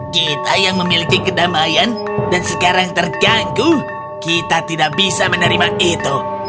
kita yang memiliki kedamaian dan sekarang terganggu kita tidak bisa menerima itu